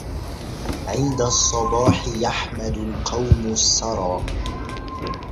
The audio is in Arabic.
عند الصباح يحمد القوم السرى